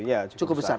ya cukup besar